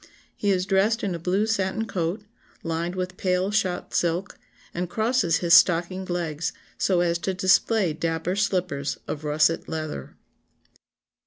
He is dressed in a blue satin coat, lined with pale shot silk, and crosses his stockinged legs so as to display dapper slippers of russet leather."